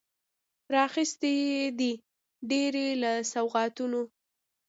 راخیستي یې دي، ډیر له سوغاتونو